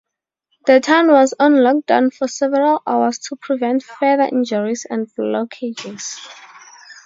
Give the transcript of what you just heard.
The town was on lockdown for several hours to prevent further injuries and blockages.